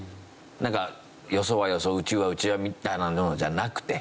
よそはよそうちはうちみたいなのじゃなくて。